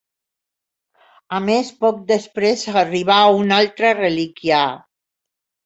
A més, poc després arribà una altra relíquia.